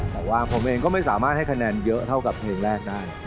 แต่ว่าผมเองก็ไม่สามารถให้คะแนนเยอะเท่ากับเพลงแรกได้